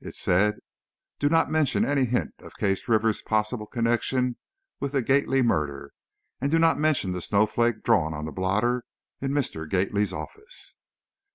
It said, "Do not mention any hint of Case Rivers' possible connection with the Gately murder, and do not mention the snowflake drawn on the blotter in Mr. Gately's office."